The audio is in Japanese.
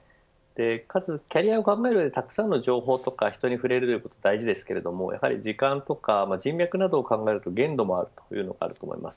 かつ、キャリアを考える上でたくさんの情報とか人に触れることは大事ですけれど時間とか人脈などを考えると限度もあります。